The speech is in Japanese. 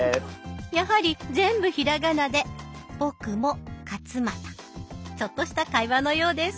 やはり全部ひらがなでちょっとした会話のようです。